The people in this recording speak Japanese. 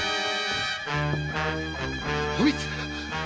おみつ！